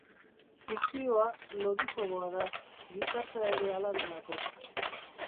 Fikzioa lodifoboa da, gizartea ere hala delako